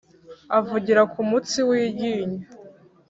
avugira ku mutsi w’iryinyo